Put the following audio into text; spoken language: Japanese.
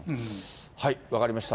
分かりました。